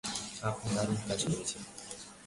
আপনি দারুণ কাজ করেছেন।